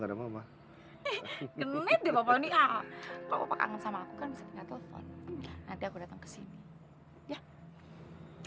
nanti aku datang kesini ya